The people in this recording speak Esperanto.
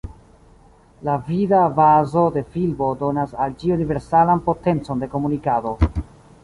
La vida bazo de filmo donas al ĝi universalan potencon de komunikado.